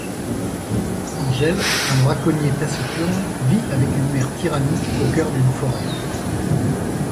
Ángel, un braconnier taciturne vit avec une mère tyrannique au cœur d'une forêt.